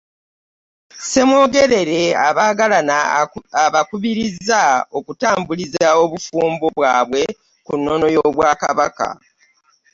Ssemwogerere abaagalana abakubirizza okutambuliza obufumbo bwabwe ku nnono y'obwakabaka